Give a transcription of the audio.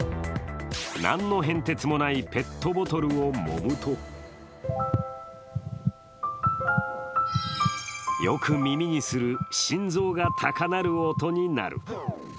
何の変哲もないペットボトルをもむとよく耳にする心臓が高鳴る音になる。